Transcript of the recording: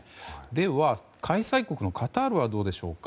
では、開催国のカタールはどうでしょうか。